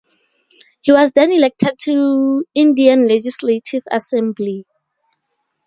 He was then elected to Indian Legislative Assembly.